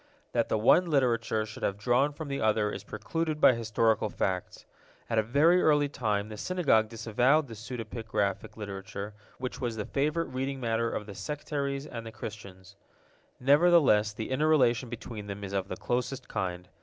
That the one literature should have drawn from the other is precluded by historical facts. At a very early time the Synagogue disavowed the pseudepigraphic literature, which was the favorite reading matter of the sectaries and the Christians. Nevertheless the inner relation between them is of the closest kind.